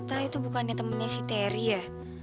ternyata itu bukannya temennya si ter ya